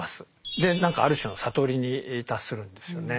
で何かある種の悟りに達するんですよね。